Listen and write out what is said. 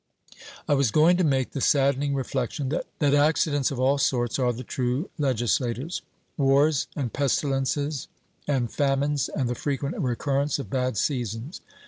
I was going to make the saddening reflection, that accidents of all sorts are the true legislators, wars and pestilences and famines and the frequent recurrence of bad seasons.